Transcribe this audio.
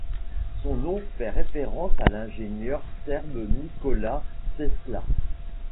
Son nom fait référence à l'ingénieur serbe Nikola Tesla.